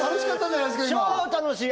超楽しい！